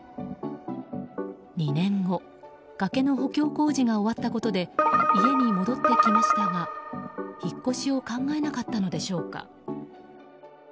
２年後、崖の補強工事が終わったことで家に戻ってきましたが引っ越しを考えなかったのでしょうか。